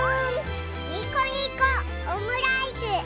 にこにこオムライス！